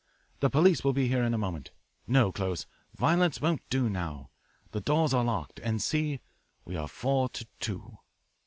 The police will be here in a moment. No, Close, violence won't do now. The doors are locked and see, we are four to two."